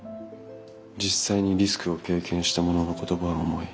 実際にリスクを経験した者の言葉は重い。